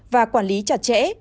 và quản lý chặt chẽ